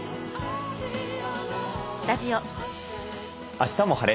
「あしたも晴れ！